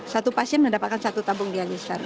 satu pasien mendapatkan satu tabung dialisar